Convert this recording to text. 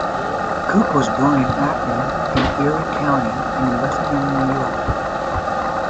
Cook was born in Akron, in Erie County, in western New York.